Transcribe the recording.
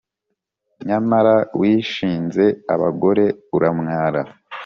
Nyamara wishinze abagore, uramwara